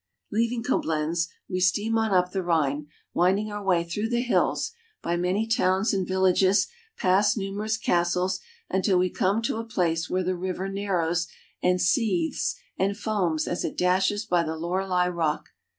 " Leaving Coblenz, we steam on up the Rhine, winding our way through the hills, by many towns and villages, past numerous castles, until we come to a place where the river narrows and seethes and foams as it dashes by the Lorelei rock.